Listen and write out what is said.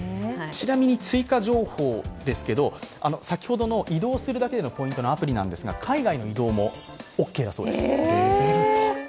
ちなみに追加情報ですけれども、先ほどの移動するだけでのポイントのアプリですが、海外の移動もオーケーだそうです。